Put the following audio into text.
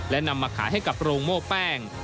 และนำมาขายให้กับโรงโม่แป้ง